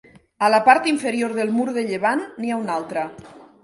A la part inferior del mur de llevant n'hi ha una altra.